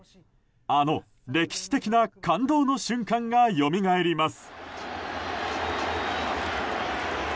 あの歴史的な感動の瞬間がよみがえります。